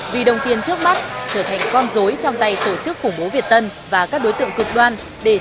vì đồng tiền trước mắt trở thành con dối trong tay tổ chức khủng bố việt tân và các đối tượng cực đoan để